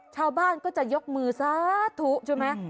ชาวบ้านก็จะยกมือสาธุใช่ไหม